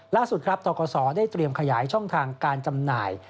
ล่าสุดครับตกศได้เตรียมขยายช่องทางการจำหน่าย